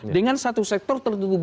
dengan satu sektor tertentu